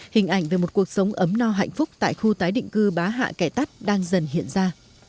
hình ảnh về một cuộc sống ấm no hạnh phúc tại khu tái định cư bá hạ kẻ tắt đang dần hiện ra